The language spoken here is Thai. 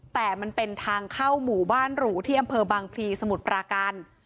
แต่มันเป็นทางเข้าหมู่บ้านหรูที่อำเภอบางพลีสมุทรปราการ